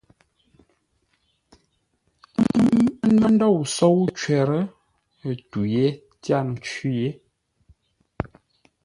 Ə́ mə́ ndôu sóu cwər, tû yé tyâr ńcwí yé.